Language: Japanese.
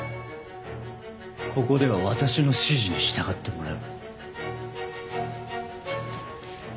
ここでは私の指示に従ってもらう。